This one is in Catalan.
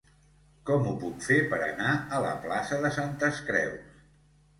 Com ho puc fer per anar a la plaça de Santes Creus?